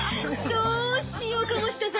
どうしよう鴨志田さん